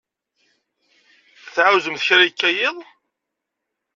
Tɛawzemt kra yekka yiḍ?